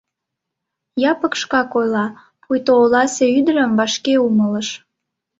— Якып шкак ойла, пуйто оласе ӱдырым вашке умылыш.